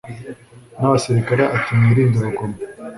n'abasirikare ati mwirinde urugomo